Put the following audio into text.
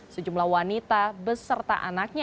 sejumlah wanita beserta anaknya